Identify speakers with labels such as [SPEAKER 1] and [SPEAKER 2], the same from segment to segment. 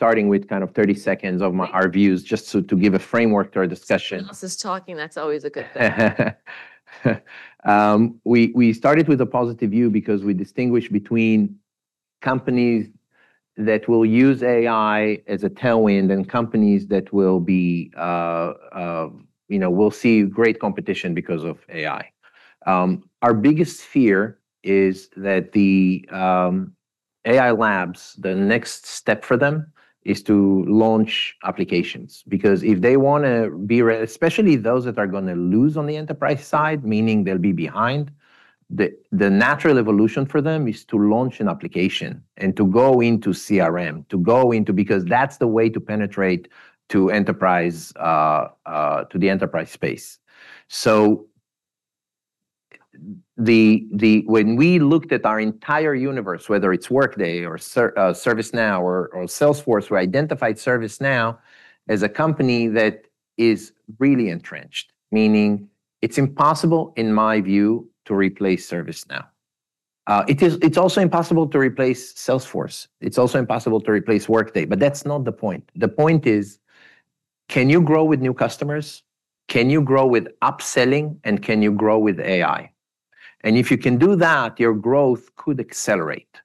[SPEAKER 1] Starting with 30 seconds of our views, just to give a framework to our discussion.
[SPEAKER 2] The boss is talking, that's always a good thing.
[SPEAKER 1] We started with a positive view because we distinguish between companies that will use AI as a tailwind and companies that will see great competition because of AI. Our biggest fear is that the AI labs, the next step for them is to launch applications. Especially those that are going to lose on the enterprise side, meaning they'll be behind, the natural evolution for them is to launch an application and to go into CRM. That's the way to penetrate to the enterprise space. When we looked at our entire universe, whether it's Workday or ServiceNow or Salesforce, we identified ServiceNow as a company that is really entrenched, meaning it's impossible, in my view, to replace ServiceNow. It's also impossible to replace Salesforce. It's also impossible to replace Workday. That's not the point. The point is, can you grow with new customers? Can you grow with upselling, and can you grow with AI? If you can do that, your growth could accelerate.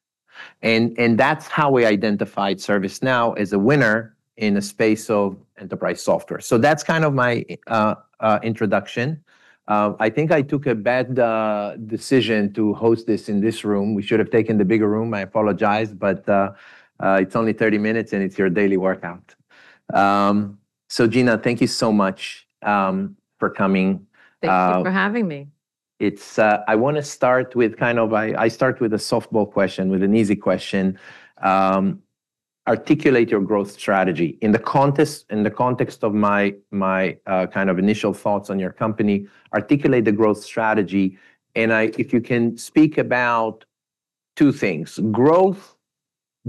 [SPEAKER 1] That's how we identified ServiceNow as a winner in a space of enterprise software. That's my introduction. I think I took a bad decision to host this in this room. We should have taken the bigger room, I apologize, but it's only 30 minutes, and it's your daily workout. Gina, thank you so much for coming.
[SPEAKER 2] Thank you for having me.
[SPEAKER 1] I want to start with a softball question, with an easy question. Articulate your growth strategy. In the context of my initial thoughts on your company, articulate the growth strategy, and if you can speak about two things, growth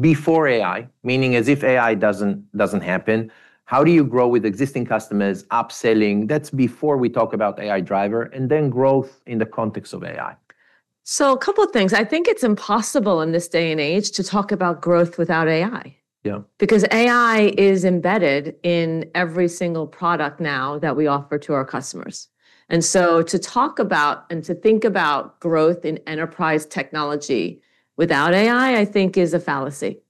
[SPEAKER 1] before AI, meaning as if AI doesn't happen, how do you grow with existing customers, upselling? That's before we talk about AI driver, and then growth in the context of AI.
[SPEAKER 2] A couple of things. I think it's impossible in this day and age to talk about growth without AI.
[SPEAKER 1] Yeah.
[SPEAKER 2] Because AI is embedded in every single product now that we offer to our customers. To talk about and to think about growth in enterprise technology without AI, I think is a fallacy.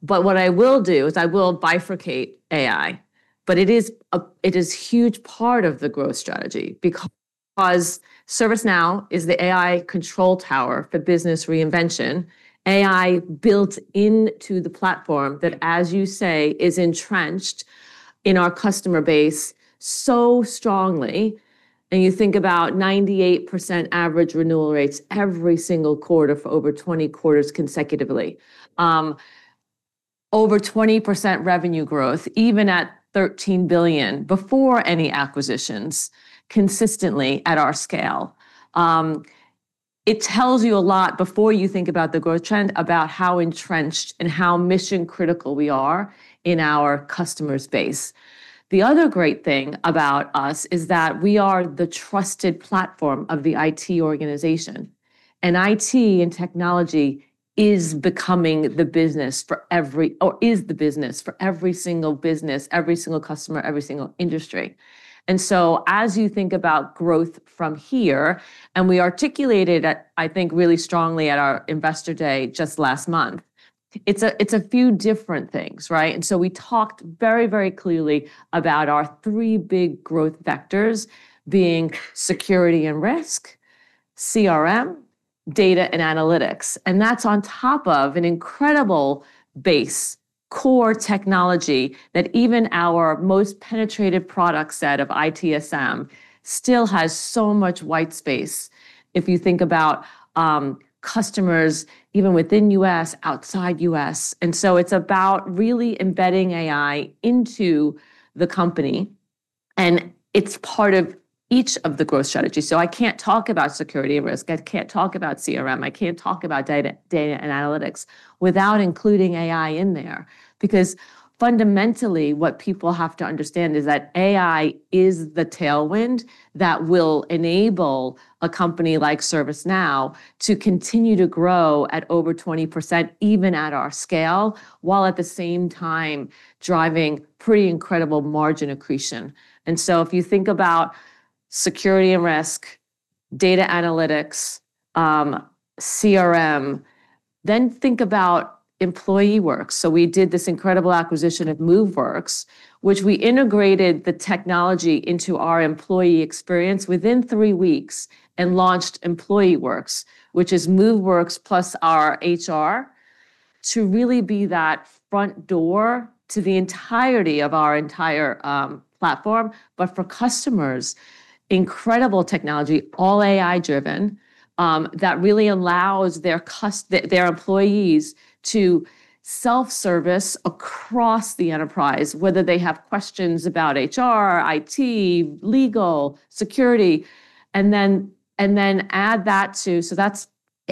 [SPEAKER 2] What I will do is I will bifurcate AI. It is a huge part of the growth strategy because ServiceNow is the AI Control Tower for business reinvention, AI built into the platform that, as you say, is entrenched in our customer base so strongly. You think about 98% average renewal rates every single quarter for over 20 quarters consecutively. Over 20% revenue growth, even at $13 billion, before any acquisitions, consistently at our scale. It tells you a lot before you think about the growth trend, about how entrenched and how mission-critical we are in our customer space. The other great thing about us is that we are the trusted platform of the IT organization. IT and technology is the business for every single business, every single customer, every single industry. As you think about growth from here, and we articulated, I think, really strongly at our investor day just last month, it's a few different things, right? We talked very clearly about our three big growth vectors being security and risk, CRM, data and analytics. That's on top of an incredible base, core technology that even our most penetrated product set of ITSM still has so much white space. If you think about customers, even within U.S., outside U.S. It's about really embedding AI into the company, and it's part of each of the growth strategies. I can't talk about security and risk, I can't talk about CRM, I can't talk about data and analytics without including AI in there. Because fundamentally, what people have to understand is that AI is the tailwind that will enable a company like ServiceNow to continue to grow at over 20%, even at our scale, while at the same time driving pretty incredible margin accretion. If you think about security and risk, data analytics, CRM, then think about employee work. We did this incredible acquisition of Moveworks, which we integrated the technology into our employee experience within three weeks and launched EmployeeWorks, which is Moveworks plus our HR, to really be that front door to the entirety of our entire platform. For customers, incredible technology, all AI-driven, that really allows their employees to self-service across the enterprise, whether they have questions about HR, IT, legal, security. That's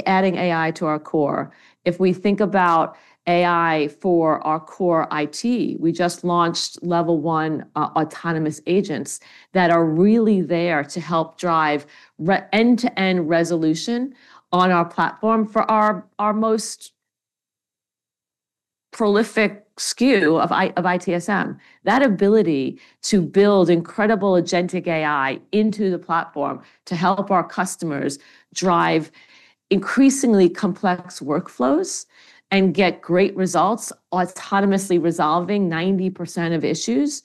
[SPEAKER 2] adding AI to our core. If we think about AI for our core IT, we just launched Level one autonomous agents that are really there to help drive end-to-end resolution on our platform for our most prolific SKU of ITSM. That ability to build incredible agentic AI into the platform to help our customers drive increasingly complex workflows and get great results, autonomously resolving 90% of issues,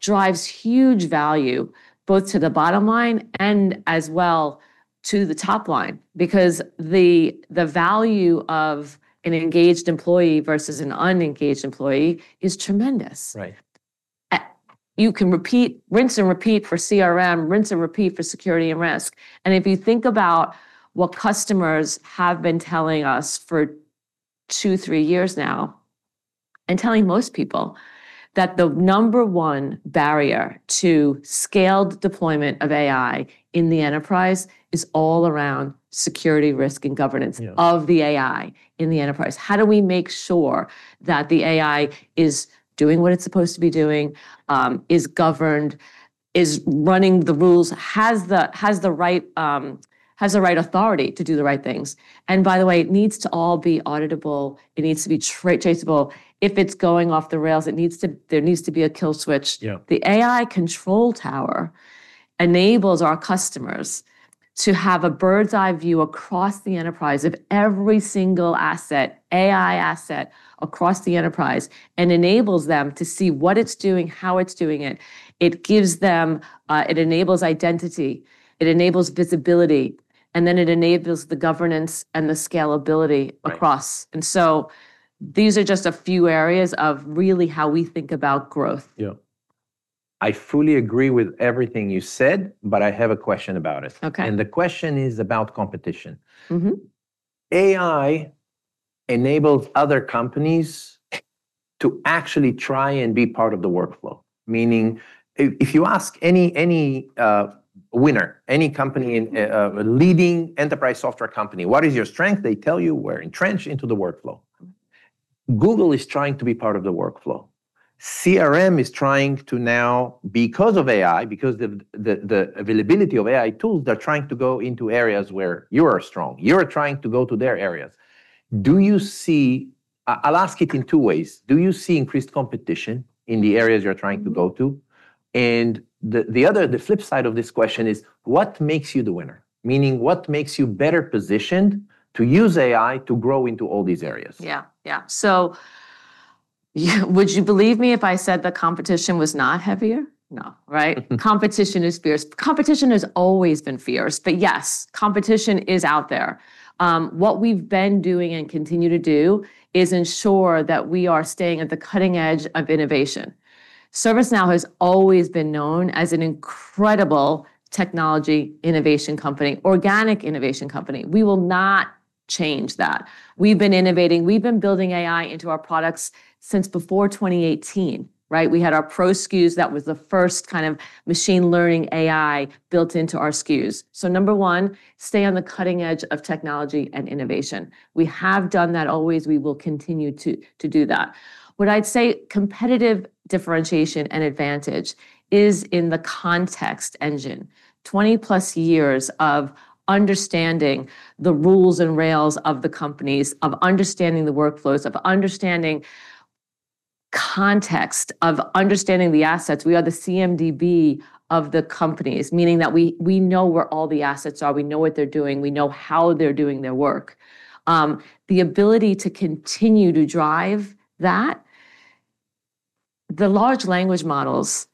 [SPEAKER 2] drives huge value both to the bottom line and as well to the top line. The value of an engaged employee versus an unengaged employee is tremendous.
[SPEAKER 1] Right.
[SPEAKER 2] You can rinse and repeat for CRM, rinse and repeat for security and risk. If you think about what customers have been telling us for two, three years now, and telling most people, that the number one barrier to scaled deployment of AI in the enterprise is all around security risk and governance.
[SPEAKER 1] Yeah
[SPEAKER 2] of the AI in the enterprise. How do we make sure that the AI is doing what it's supposed to be doing, is governed, is running the rules, has the right authority to do the right things? By the way, it needs to all be auditable. It needs to be traceable. If it's going off the rails, there needs to be a kill switch.
[SPEAKER 1] Yeah.
[SPEAKER 2] The AI Control Tower enables our customers to have a bird's eye view across the enterprise of every single asset, AI asset, across the enterprise, and enables them to see what it's doing, how it's doing it. It enables identity. It enables visibility, and then it enables the governance and the scalability across.
[SPEAKER 1] Right.
[SPEAKER 2] These are just a few areas of really how we think about growth.
[SPEAKER 1] Yeah. I fully agree with everything you said, but I have a question about it.
[SPEAKER 2] Okay.
[SPEAKER 1] The question is about competition. AI enables other companies to actually try and be part of the workflow. Meaning, if you ask any winner, any leading enterprise software company, "What is your strength?" They tell you, "We're entrenched into the workflow." Google is trying to be part of the workflow. CRM is trying to now, because of AI, because of the availability of AI tools, they're trying to go into areas where you are strong. You're trying to go to their areas. I'll ask it in two ways. Do you see increased competition in the areas you're trying to go to? The flip side of this question is what makes you the winner? Meaning, what makes you better positioned to use AI to grow into all these areas?
[SPEAKER 2] Yeah. Would you believe me if I said the competition was not heavier? No, right? Competition is fierce. Competition has always been fierce. Yes, competition is out there. What we've been doing, and continue to do, is ensure that we are staying at the cutting edge of innovation. ServiceNow has always been known as an incredible technology innovation company, organic innovation company. We will not change that. We've been innovating, we've been building AI into our products since before 2018. Right? We had our Pro SKUs. That was the first kind of machine learning AI built into our SKUs. Number 1, stay on the cutting edge of technology and innovation. We have done that always. We will continue to do that. What I'd say competitive differentiation and advantage is in the context engine. 20-plus years of understanding the rules and rails of the companies, of understanding the workflows, of understanding context, of understanding the assets. We are the CMDB of the companies, meaning that we know where all the assets are, we know what they're doing, we know how they're doing their work. The ability to continue to drive that. The large language models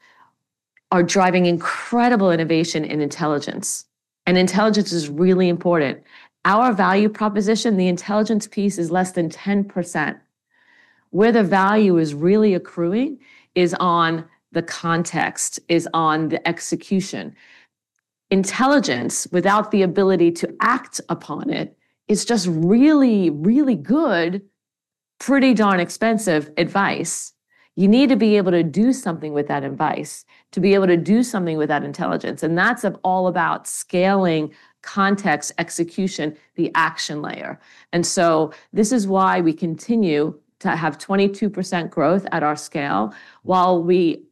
[SPEAKER 2] are driving incredible innovation in intelligence, and intelligence is really important. Our value proposition, the intelligence piece is less than 10%. Where the value is really accruing is on the context, is on the execution. Intelligence, without the ability to act upon it, is just really, really good, pretty darn expensive advice. You need to be able to do something with that advice, to be able to do something with that intelligence, and that's all about scaling context, execution, the action layer. This is why we continue to have 22% growth at our scale. While we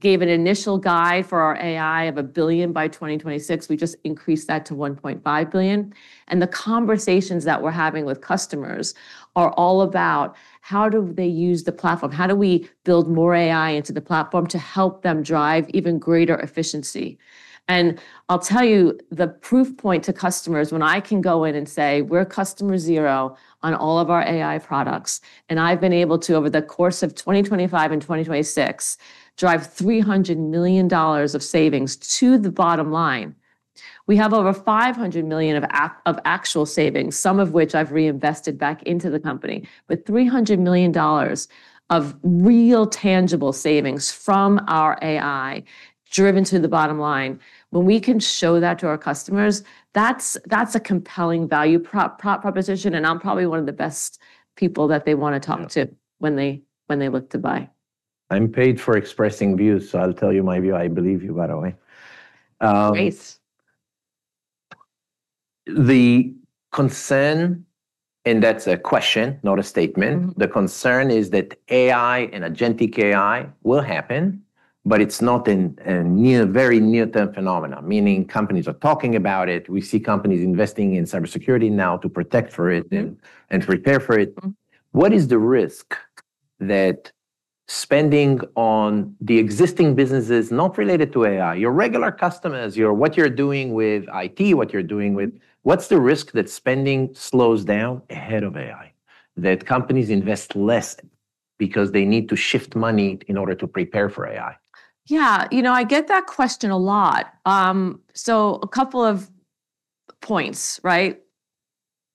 [SPEAKER 2] gave an initial guide for our AI of $1 billion by 2026, we just increased that to $1.5 billion. The conversations that we're having with customers are all about how do they use the platform? How do we build more AI into the platform to help them drive even greater efficiency? I'll tell you the proof point to customers when I can go in and say, "We're customer zero on all of our AI products," and I've been able to, over the course of 2025 and 2026, drive $300 million of savings to the bottom line. We have over $500 million of actual savings, some of which I've reinvested back into the company. $300 million of real tangible savings from our AI driven to the bottom line. When we can show that to our customers, that's a compelling value proposition, and I'm probably one of the best people that they want to talk to when they look to buy.
[SPEAKER 1] I'm paid for expressing views, so I'll tell you my view. I believe you, by the way.
[SPEAKER 2] Great.
[SPEAKER 1] The concern, and that's a question, not a statement. The concern is that AI and agentic AI will happen. It's not a very near-term phenomenon, meaning companies are talking about it. We see companies investing in cybersecurity now to protect for it and to prepare for it. What is the risk that spending on the existing businesses not related to AI, your regular customers, what you're doing with IT? What's the risk that spending slows down ahead of AI? That companies invest less because they need to shift money in order to prepare for AI?
[SPEAKER 2] Yeah. I get that question a lot. A couple of points, right?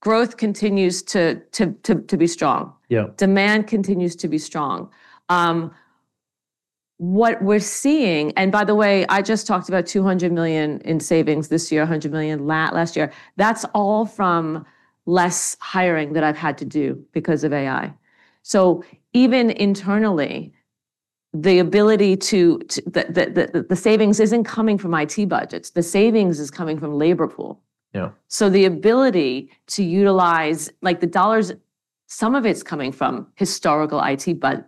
[SPEAKER 2] Growth continues to be strong.
[SPEAKER 1] Yeah.
[SPEAKER 2] Demand continues to be strong. By the way, I just talked about $200 million in savings this year, $100 million last year. That's all from less hiring that I've had to do because of AI. Even internally, the savings isn't coming from IT budgets. The savings is coming from labor pool.
[SPEAKER 1] Yeah.
[SPEAKER 2] The ability to utilize the dollars, some of it's coming from historical IT budgets,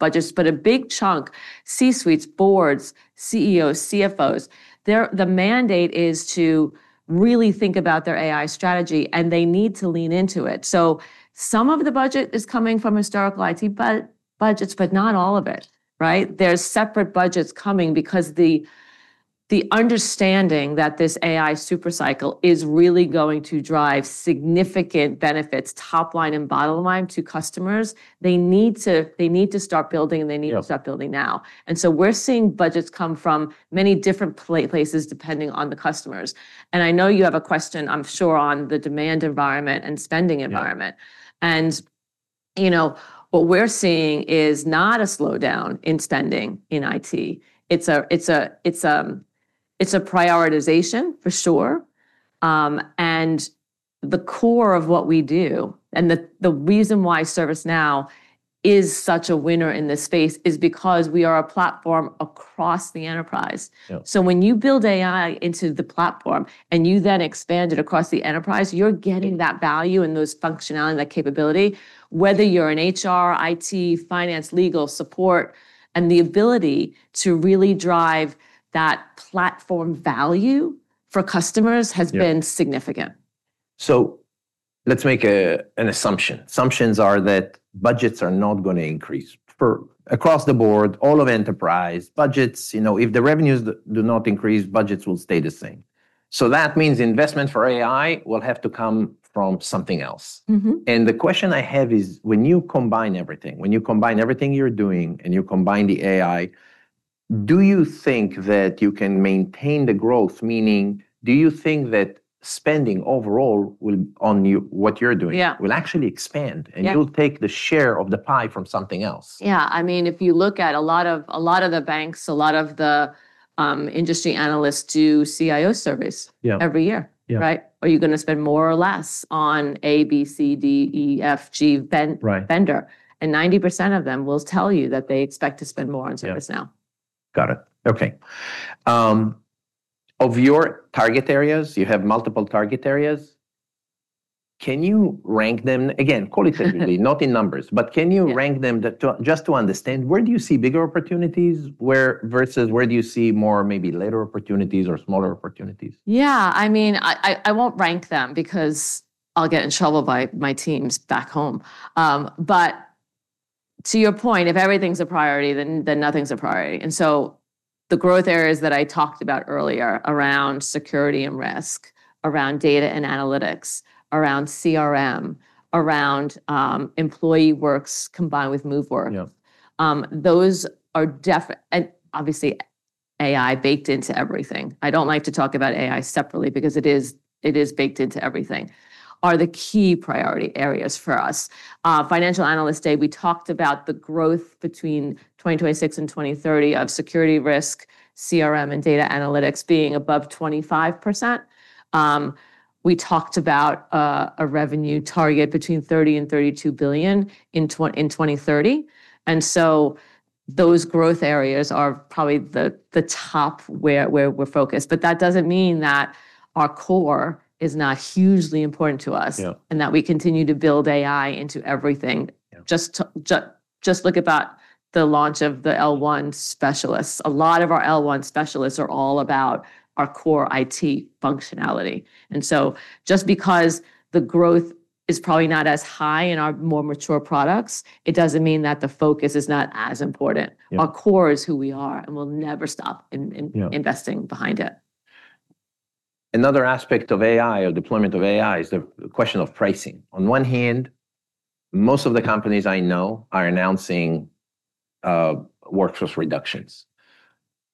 [SPEAKER 2] but a big chunk, C-suites, boards, CEOs, CFOs, the mandate is to really think about their AI strategy, and they need to lean into it. Some of the budget is coming from historical IT budgets, but not all of it, right? There's separate budgets coming because the understanding that this AI super cycle is really going to drive significant benefits, top line and bottom line to customers. They need to start building, and they need to-
[SPEAKER 1] Yeah
[SPEAKER 2] start building now. We're seeing budgets come from many different places, depending on the customers. I know you have a question, I'm sure, on the demand environment and spending environment.
[SPEAKER 1] Yeah.
[SPEAKER 2] What we're seeing is not a slowdown in spending in IT. It's a prioritization for sure. The core of what we do, and the reason why ServiceNow is such a winner in this space is because we are a platform across the enterprise.
[SPEAKER 1] Yeah.
[SPEAKER 2] When you build AI into the platform and you then expand it across the enterprise, you're getting that value and those functionality, that capability, whether you're in HR, IT, finance, legal, support, and the ability to really drive that platform value for customers has been.
[SPEAKER 1] Yeah
[SPEAKER 2] significant.
[SPEAKER 1] Let's make an assumption. Assumptions are that budgets are not going to increase. Across the board, all of enterprise, budgets, if the revenues do not increase, budgets will stay the same. That means investment for AI will have to come from something else. The question I have is, when you combine everything you're doing, and you combine the AI, do you think that you can maintain the growth? Meaning, do you think that spending overall on what you're doing-
[SPEAKER 2] Yeah.
[SPEAKER 1] will actually expand-
[SPEAKER 2] Yeah
[SPEAKER 1] You'll take the share of the pie from something else?
[SPEAKER 2] Yeah. If you look at a lot of the banks, a lot of the industry analysts do CIO surveys.
[SPEAKER 1] Yeah
[SPEAKER 2] every year.
[SPEAKER 1] Yeah.
[SPEAKER 2] Right? Are you going to spend more or less on A, B, C, D, E, F, G vendor?
[SPEAKER 1] Right.
[SPEAKER 2] 90% of them will tell you that they expect to spend more on ServiceNow.
[SPEAKER 1] Yeah. Got it. Okay. Of your target areas, you have multiple target areas. Can you rank them, again, qualitatively, not in numbers, but can you rank them just to understand where do you see bigger opportunities versus where do you see more, maybe later opportunities or smaller opportunities?
[SPEAKER 2] Yeah. I won't rank them because I'll get in trouble by my teams back home. To your point, if everything's a priority, then nothing's a priority. The growth areas that I talked about earlier around security and risk, around data and analytics, around CRM, around EmployeeWorks combined with Moveworks.
[SPEAKER 1] Yeah.
[SPEAKER 2] Obviously, AI baked into everything, I don't like to talk about AI separately because it is baked into everything, are the key priority areas for us. Financial Analyst Day, we talked about the growth between 2026 and 2030 of security risk, CRM, and data analytics being above 25%. We talked about a revenue target between $30 billion and $32 billion in 2030. Those growth areas are probably the top where we're focused, but that doesn't mean that our core is not hugely important to us.
[SPEAKER 1] Yeah
[SPEAKER 2] That we continue to build AI into everything.
[SPEAKER 1] Yeah.
[SPEAKER 2] Just look about the launch of the L1 specialists. A lot of our L1 specialists are all about our core IT functionality. Just because the growth is probably not as high in our more mature products, it doesn't mean that the focus is not as important.
[SPEAKER 1] Yeah.
[SPEAKER 2] Our core is who we are, and we'll never stop.
[SPEAKER 1] Yeah
[SPEAKER 2] investing behind it.
[SPEAKER 1] Another aspect of AI or deployment of AI is the question of pricing. On one hand, most of the companies I know are announcing workforce reductions.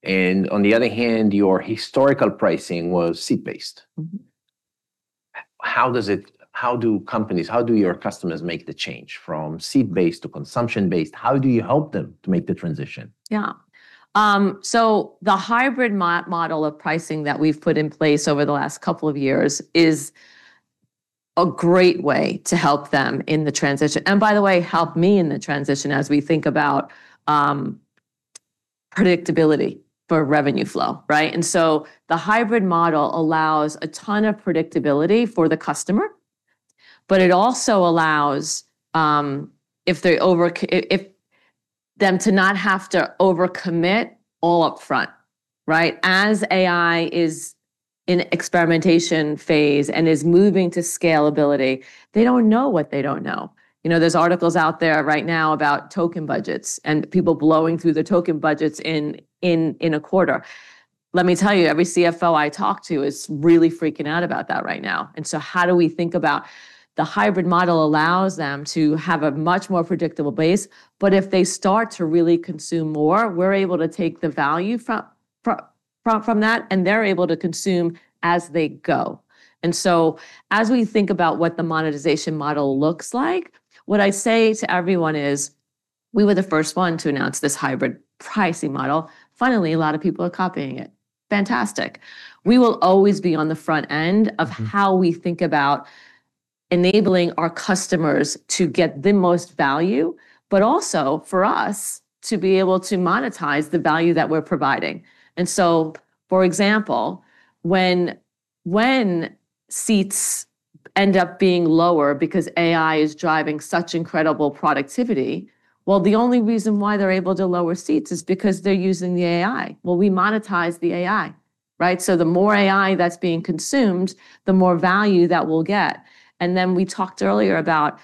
[SPEAKER 1] On the other hand, your historical pricing was seat-based. How do your customers make the change from seat-based to consumption-based? How do you help them to make the transition?
[SPEAKER 2] The hybrid model of pricing that we've put in place over the last couple of years is a great way to help them in the transition, and by the way, help me in the transition as we think about predictability for revenue flow, right? The hybrid model allows a ton of predictability for the customer. It also allows them to not have to over-commit all up front. As AI is in experimentation phase and is moving to scalability, they don't know what they don't know. There's articles out there right now about token budgets and people blowing through their token budgets in a quarter. Let me tell you, every CFO I talk to is really freaking out about that right now. How do we think about the hybrid model allows them to have a much more predictable base, but if they start to really consume more, we're able to take the value from that, and they're able to consume as they go. As we think about what the monetization model looks like, what I say to everyone is, we were the first one to announce this hybrid pricing model. Finally, a lot of people are copying it. Fantastic. We will always be on the front end of how we think about enabling our customers to get the most value, but also for us to be able to monetize the value that we're providing. For example, when seats end up being lower because AI is driving such incredible productivity, well, the only reason why they're able to lower seats is because they're using the AI. Well, we monetize the AI. The more AI that's being consumed, the more value that we'll get. Then we talked earlier about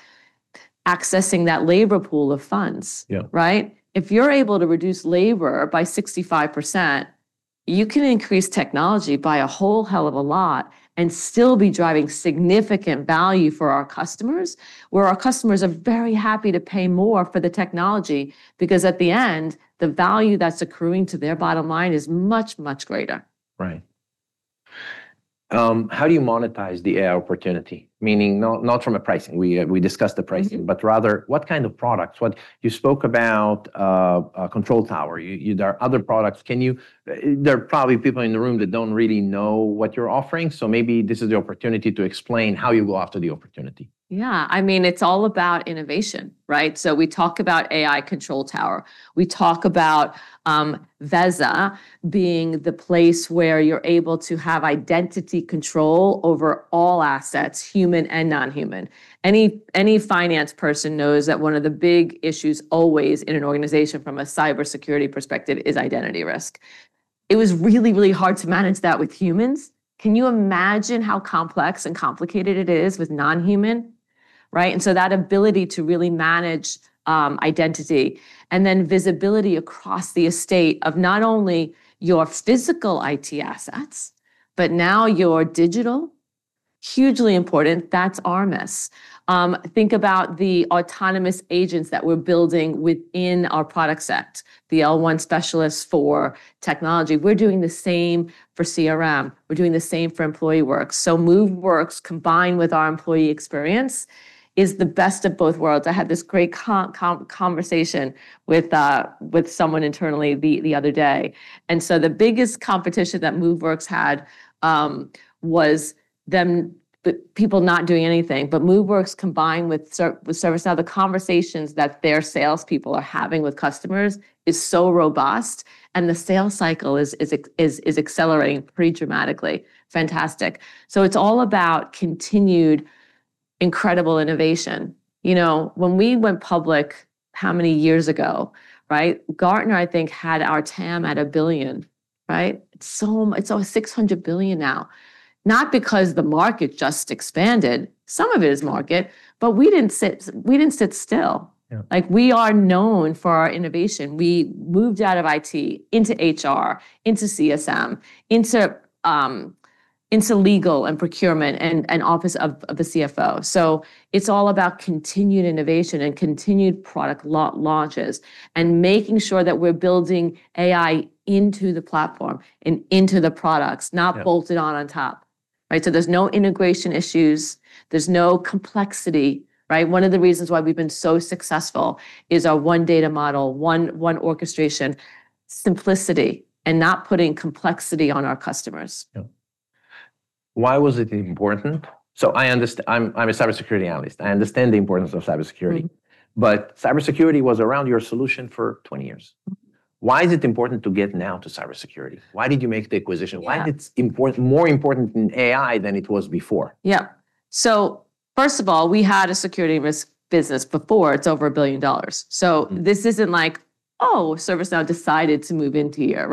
[SPEAKER 2] accessing that labor pool of funds.
[SPEAKER 1] Yeah.
[SPEAKER 2] If you're able to reduce labor by 65%, you can increase technology by a whole hell of a lot and still be driving significant value for our customers, where our customers are very happy to pay more for the technology, because at the end, the value that's accruing to their bottom line is much, much greater.
[SPEAKER 1] Right. How do you monetize the AI opportunity? Meaning not from a pricing, we discussed the pricing, but rather what kind of products. You spoke about Control Tower. There are other products. There are probably people in the room that don't really know what you're offering, so maybe this is the opportunity to explain how you go after the opportunity.
[SPEAKER 2] Yeah. It's all about innovation. We talk about AI Control Tower. We talk about Veza being the place where you're able to have identity control over all assets, human and non-human. Any finance person knows that one of the big issues always in an organization from a cybersecurity perspective is identity risk. It was really, really hard to manage that with humans. Can you imagine how complex and complicated it is with non-human? That ability to really manage identity and then visibility across the estate of not only your physical IT assets, but now your digital, hugely important. That's Armis. Think about the autonomous agents that we're building within our product set, the L1 specialists for technology. We're doing the same for CRM. We're doing the same for EmployeeWorks. Moveworks, combined with our employee experience, is the best of both worlds. I had this great conversation with someone internally the other day. The biggest competition that Moveworks had was people not doing anything, but Moveworks combined with ServiceNow, the conversations that their salespeople are having with customers is so robust and the sales cycle is accelerating pretty dramatically. Fantastic. It's all about continued incredible innovation. When we went public how many years ago, Gartner, I think, had our TAM at $1 billion. It's over $600 billion now, not because the market just expanded. Some of it is market, but we didn't sit still.
[SPEAKER 1] Yeah.
[SPEAKER 2] We are known for our innovation. We moved out of IT into HR, into CSM, into legal and procurement and office of the CFO. It's all about continued innovation and continued product launches and making sure that we're building AI into the platform and into the products, not bolted on on top. There's no integration issues. There's no complexity. One of the reasons why we've been so successful is our one data model, one orchestration, simplicity, and not putting complexity on our customers.
[SPEAKER 1] Why was it important? I'm a cybersecurity analyst. I understand the importance of cybersecurity. Cybersecurity was around your solution for 20 years. Why is it important to get now to cybersecurity? Why did you make the acquisition?
[SPEAKER 2] Yeah.
[SPEAKER 1] Why it's more important in AI than it was before?
[SPEAKER 2] Yeah. First of all, we had a security risk business before. It's over $1 billion. This isn't like, oh, ServiceNow decided to move into here.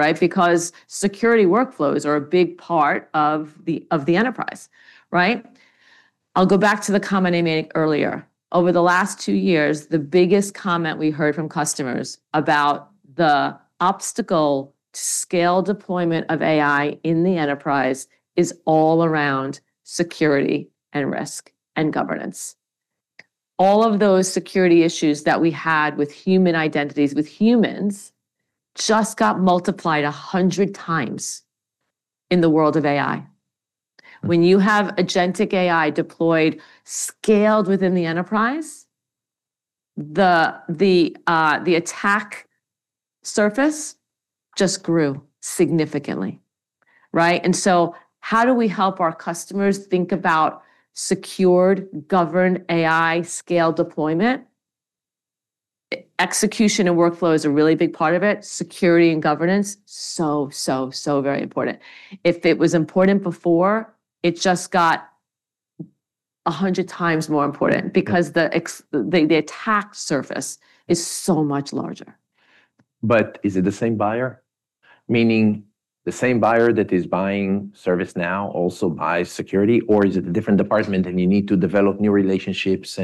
[SPEAKER 2] Security workflows are a big part of the enterprise. I'll go back to the comment I made earlier. Over the last two years, the biggest comment we heard from customers about the obstacle to scale deployment of AI in the enterprise is all around security and risk and governance. All of those security issues that we had with human identities with humans just got multiplied 100 times in the world of AI. When you have agentic AI deployed, scaled within the enterprise, the attack surface just grew significantly. How do we help our customers think about secured, governed AI scale deployment? Execution and workflow is a really big part of it. Security and governance, so very important. If it was important before, it just got 100x more important because the attack surface is so much larger.
[SPEAKER 1] Is it the same buyer? Meaning the same buyer that is buying ServiceNow also buys security, or is it a different department and you need to develop new relationships.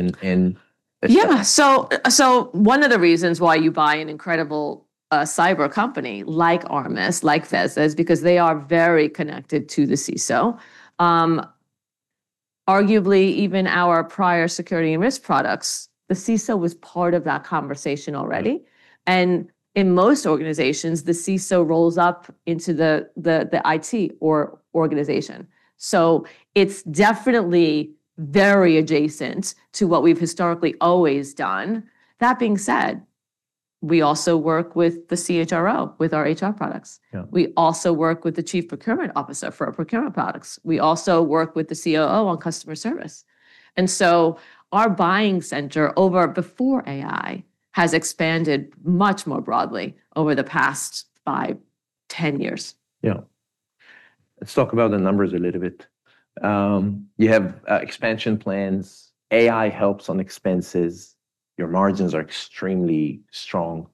[SPEAKER 2] Yeah. One of the reasons why you buy an incredible cyber company like Armis, like Veza, is because they are very connected to the CISO. Arguably, even our prior security and risk products, the CISO was part of that conversation already. In most organizations, the CISO rolls up into the IT organization. It's definitely very adjacent to what we've historically always done. That being said, we also work with the CHRO with our HR products.
[SPEAKER 1] Yeah.
[SPEAKER 2] We also work with the chief procurement officer for our procurement products. We also work with the COO on customer service. Our buying center over before AI has expanded much more broadly over the past five, 10 years.
[SPEAKER 1] Yeah. Let's talk about the numbers a little bit. You have expansion plans. AI helps on expenses. Your margins are extremely strong.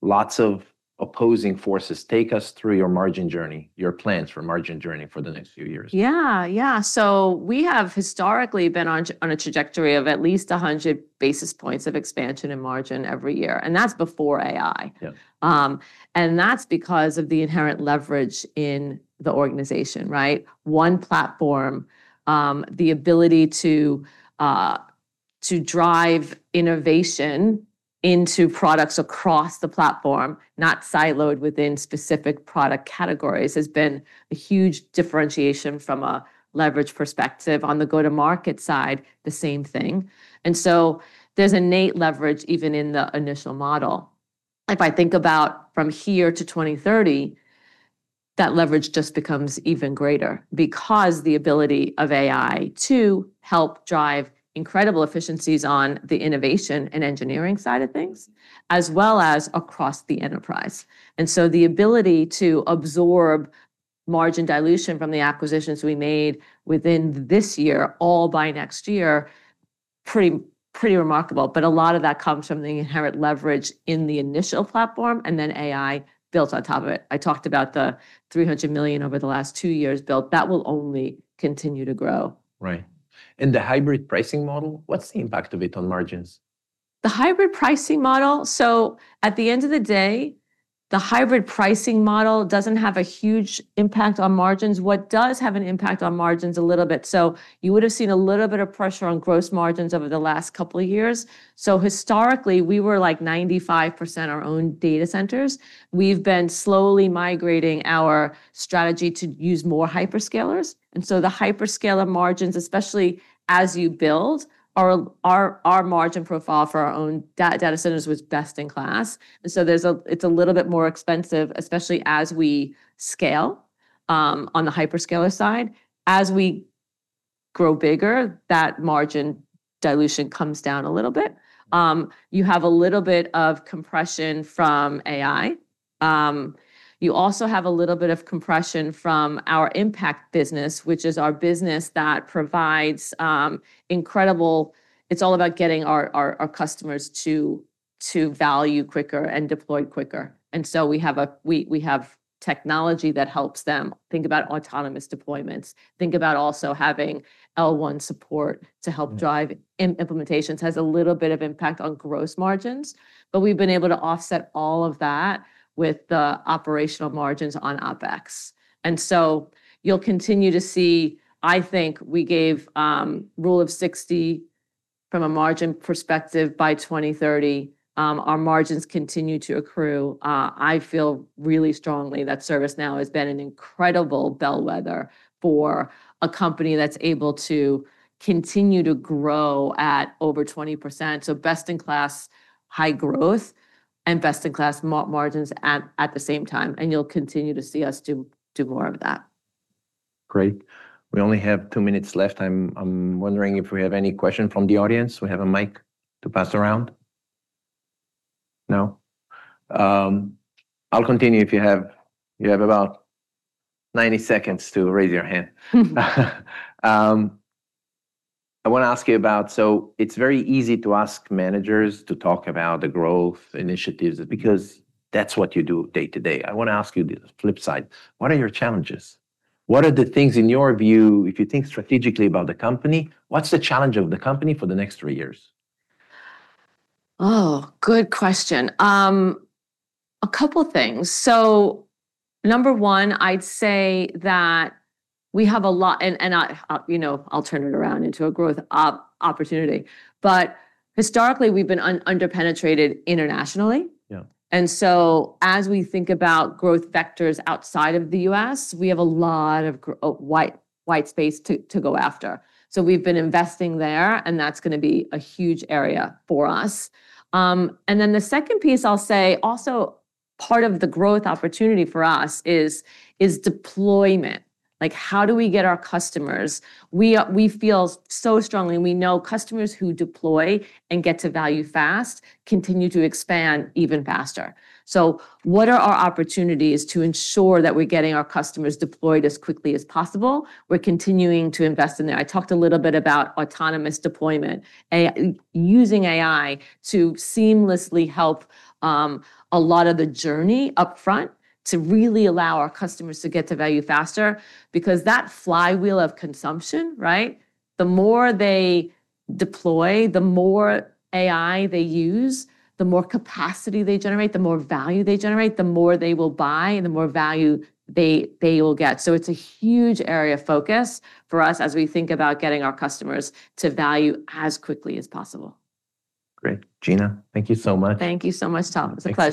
[SPEAKER 1] Lots of opposing forces. Take us through your margin journey, your plans for margin journey for the next few years.
[SPEAKER 2] Yeah. We have historically been on a trajectory of at least 100 basis points of expansion and margin every year, and that's before AI.
[SPEAKER 1] Yeah.
[SPEAKER 2] That's because of the inherent leverage in the organization, right? One platform, the ability to drive innovation into products across the platform, not siloed within specific product categories, has been a huge differentiation from a leverage perspective. On the go-to-market side, the same thing. There's innate leverage even in the initial model. If I think about from here to 2030, that leverage just becomes even greater because the ability of AI to help drive incredible efficiencies on the innovation and engineering side of things, as well as across the enterprise. The ability to absorb margin dilution from the acquisitions we made within this year all by next year, pretty remarkable. A lot of that comes from the inherent leverage in the initial platform, and then AI built on top of it. I talked about the 300 million over the last two years built. That will only continue to grow.
[SPEAKER 1] Right. The hybrid pricing model, what's the impact of it on margins?
[SPEAKER 2] The hybrid pricing model, at the end of the day, the hybrid pricing model doesn't have a huge impact on margins. What does have an impact on margins you would've seen a little bit of pressure on gross margins over the last couple of years. Historically, we were like 95% our own data centers. We've been slowly migrating our strategy to use more hyperscalers, the hyperscaler margins, especially as you build, our margin profile for our own data centers was best in class. It's a little bit more expensive, especially as we scale, on the hyperscaler side. As we grow bigger, that margin dilution comes down a little bit. You have a little bit of compression from AI. You also have a little bit of compression from our ServiceNow Impact, which is our business that provides. It's all about getting our customers to value quicker and deploy quicker. We have technology that helps them think about autonomous deployments, think about also having L1 support to help drive implementations. Has a little bit of impact on gross margins, but we've been able to offset all of that with the operational margins on OpEx. You'll continue to see, I think we gave Rule of 60 from a margin perspective by 2030. Our margins continue to accrue. I feel really strongly that ServiceNow has been an incredible bellwether for a company that's able to continue to grow at over 20%. Best in class high growth and best in class margins at the same time, and you'll continue to see us do more of that.
[SPEAKER 1] Great. We only have two minutes left. I'm wondering if we have any question from the audience. We have a mic to pass around. No? I'll continue if you have about 90 seconds to raise your hand. I want to ask you about. It's very easy to ask managers to talk about the growth initiatives because that's what you do day to day. I want to ask you the flip side. What are your challenges? What are the things, in your view, if you think strategically about the company, what's the challenge of the company for the next three years?
[SPEAKER 2] Oh, good question. A couple things. Number one, I'd say that we have a lot, and I'll turn it around into a growth opportunity, but historically, we've been under-penetrated internationally.
[SPEAKER 1] Yeah.
[SPEAKER 2] As we think about growth vectors outside of the U.S., we have a lot of white space to go after. We've been investing there, and that's going to be a huge area for us. The second piece I'll say, also part of the growth opportunity for us is deployment. Like how do we get our customers? We feel so strongly and we know customers who deploy and get to value fast continue to expand even faster. What are our opportunities to ensure that we're getting our customers deployed as quickly as possible? We're continuing to invest in there. I talked a little bit about autonomous deployment, using AI to seamlessly help a lot of the journey upfront to really allow our customers to get to value faster. That flywheel of consumption, right? The more they deploy, the more AI they use, the more capacity they generate, the more value they generate, the more they will buy, and the more value they will get. It's a huge area of focus for us as we think about getting our customers to value as quickly as possible.
[SPEAKER 1] Great. Gina, thank you so much.
[SPEAKER 2] Thank you so much, Tom. It was a pleasure.